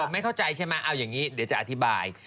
ไม่เข้าใจใช่ไหมเอาอย่างนี้เดี๋ยวจะอธิบาย